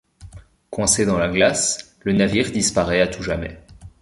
Coincé dans la glace, le navire disparait à tout jamais.